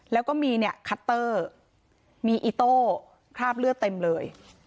แล้วก็มีเนี่ยคัตเตอร์มีอิโต้คราบเลือดเต็มเลย